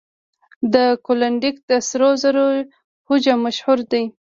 د کلونډیک د سرو زرو هجوم مشهور دی.